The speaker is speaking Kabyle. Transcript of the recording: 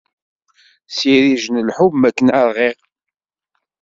S yirij n lḥub makken ṛɣiɣ.